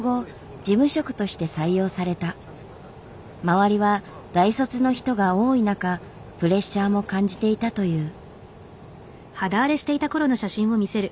周りは大卒の人が多い中プレッシャーも感じていたという。